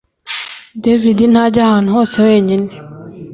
David ntajya ahantu hose wenyine